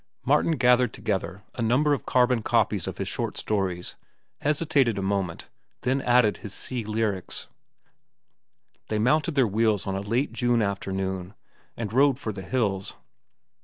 Martin gathered together a number of carbon copies of his short stories, hesitated a moment, then added his "Sea Lyrics." They mounted their wheels on a late June afternoon and rode for the hills.